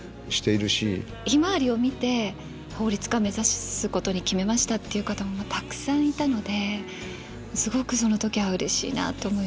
「ひまわり」を見て法律家目指すことに決めましたっていう方もたくさんいたのですごくその時はうれしいなって思いました。